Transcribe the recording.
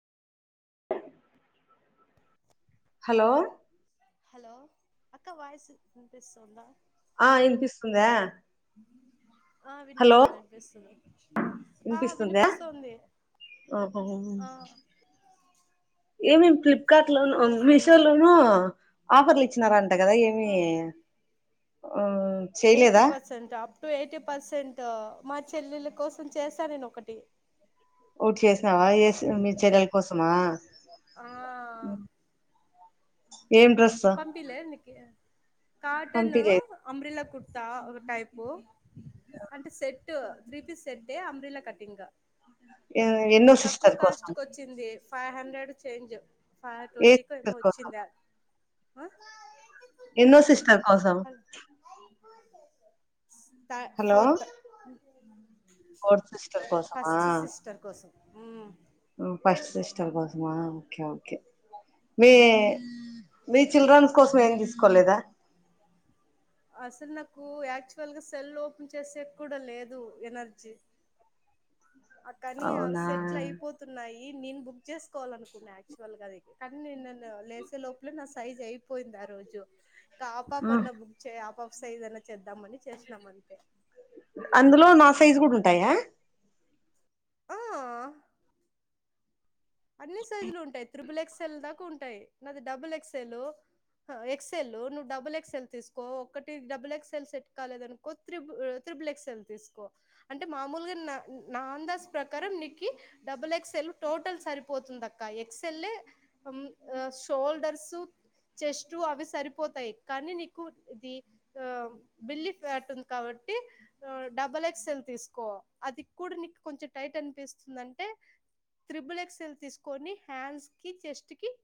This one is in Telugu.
హలో హలో అక్క వాయిస్ వినిపిస్తుందా ఆ వినిపిస్తుంది ఆ ఆ వినిపిస్తుంది వినిపిస్తుంది ఆ వినిపిస్తుంద వినిపిస్తుంది ఓహో ఆ ఏమేమి ఫ్లిప్కార్ట్ ఏం లోన మీషో చేస్తున్నావు లోనూ ఆఫర్లు ఇచ్చినారాంట ట కదా ఏమి ఆ ఆ ఎయిటీ చేయలేదా percent up to eighty percent మా చెల్లెళ్ళ కోసం చేశా నేను ఒకటి ఒకటి చేసవా ఎస్ మీ చెల్లెల కోసమా ఆ ఏం డ్రెస్ పంపీలే నీకి కాటన్ పంపిలేదు అబ్రెల కుర్తా ఒక టైపు అంటే సెట్ త్రీపి సెట్ ఏ అబ్రీలా కటింగ్ ఎ ఏ- ఎన్నో తక్కువ సిస్టర్ కోసం కాస్ట్ కి వచ్చింది ఫైవ్ హండ్రెడ్ చేంజ్ ఫైవ్ ఏ ట్వంటీకి ఏమో సిస్టర్ కోసం వచ్చిందా ఎన్నో సిస్టర్ కోసం త హలో ఫోర్త్ ఫోర్త్ సిస్టర్ కోసమా ఫస్ట్ సిస్టర్ కోసం ఫస్ట్ సిస్టర్ కోసమా ఓకే ఓకే మీ మీ చిల్డ్రన్స్ కోసం ఏం తీసుకోలేదా అసలు నాకు యాక్చువల్గా సెల్ ఓపెన్ చేసే కూడా లేదు ఎనర్జీ కానీ అ అవునా సెట్లు అయిపోతున్నాయి నేను బు క్ చేసుకోవాలనుకున్నా యాక్చువల్ గా కానీ నేనున్ను లేసే లోపలే నా సైజ్ అయిపోయింది ఆ రోజు ఒక ఆఫ్ ఆఫ్ అన్నా బుక్ చే అపాఫ్ సైజ్ అన్నా చేద్దాంమని చేసినాం అంతే అందులో నా సైజు కూడా ఉంటాయా ఆ అన్ని సైజులు ఉంటాయి త్రిబుల్ ఎక్సెల్ దాకా ఉంటాయి నాది డబుల్ ఎక్సల్ ఎక్స ఎల్ నువ్వు డబుల్ ఎక్స్ ఎల్ తీసుకో ఒకటి డబుల్ ఎక్స్ ఎల్ సెట్ కాలేదు అనుకో త్రీ బుల్ ఎక్సెల్ తీసుకో అంటే మామూలుగా నా అందస్ ప్రకారం నీకి డబుల్ ఎక్స్ సెల్ టోటల్ సరిపోతుందక్క ఎక్సెల్ షోల్డర్స్ చెస్ట్ అవి సరిపోతాయి కానీ నీకు ఇది ఆ బిల్లి ఫ్యాట్ ఉంది కాబట్టి ట్టి డబల్ ఎక్స్ ఎల్ తీసుకో అది కూడా నీకు కొంచెం టైట్ అనిపిస్తుందంటె ట్రిబుల్ ఎక్సెల్ తీసుకొని హ్యాండ్స్ కి చెస్ట్ కి